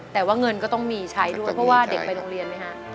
แต่ว่าเงินก็ต้องมีใช้ด้วยเพราะว่าเด็กไปโรงเรียนไหมฮะ